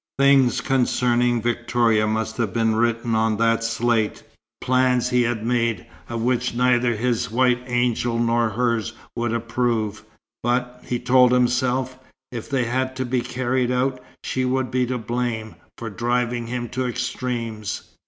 Things concerning Victoria must have been written on that slate, plans he had made, of which neither his white angel nor hers would approve. But, he told himself, if they had to be carried out, she would be to blame, for driving him to extremes.